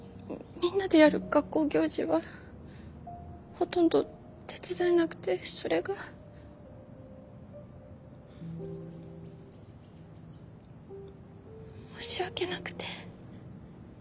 みんなでやる学校行事はほとんど手伝えなくてそれが申し訳なくて。